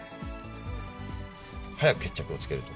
早く決着をつけると。